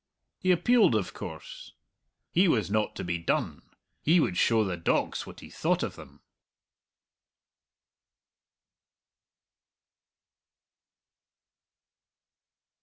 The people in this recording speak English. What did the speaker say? He appealed, of course. He was not to be done; he would show the dogs what he thought of them.